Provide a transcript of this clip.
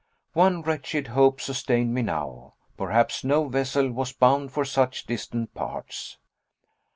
One wretched hope sustained me now. Perhaps no vessel was bound for such distant parts.